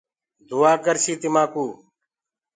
دُآآ ڪرسي تمآ ڪو